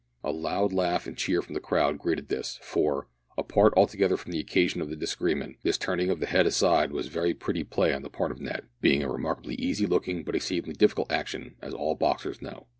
A loud laugh and cheer from the crowd greeted this, for, apart altogether from the occasion of the disagreement, this turning of the head aside was very pretty play on the part of Ned being a remarkably easy looking but exceedingly difficult action, as all boxers know.